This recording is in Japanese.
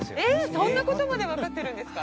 そんなことまで分かってるんですか？